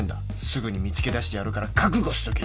すぐに見つけ出してやるから覚悟しとけよ！